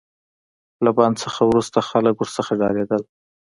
له بند څخه وروسته خلک ورڅخه ډاریدل.